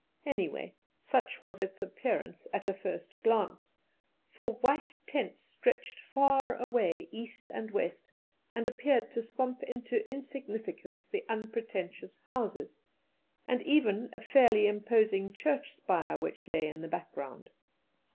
Anyway, such was its appearance at a first glance, for white tents stretched far away east and west, and appeared to swamp into insignificance the unpretentious houses, and even a fairly imposing church spire which lay in the background.